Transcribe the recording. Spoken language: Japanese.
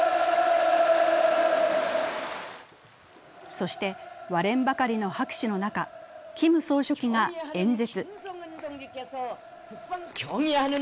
そして、割れんばかりの拍手の中、キム総書記が演説。